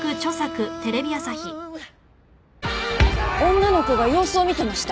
女の子が様子を見てました。